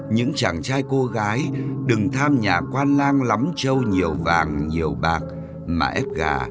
những chàng trai cô gái đừng tham nhà quan lang lắm trâu nhiều vàng nhiều bạc mà ép gà